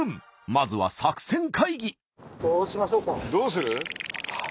まずは作戦会議。